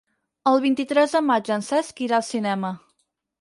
El vint-i-tres de maig en Cesc irà al cinema.